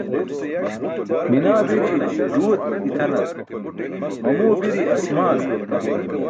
Minaa biri ẓuuwe itʰanar, mamuwe biri aasmaanar.